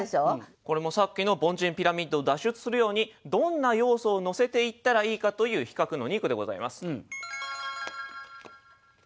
これもさっきの凡人ピラミッドを脱出するようにどんな要素を乗せていったらいいかという比較の２句でございます。